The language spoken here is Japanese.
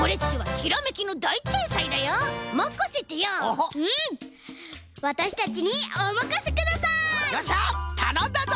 たのんだぞ！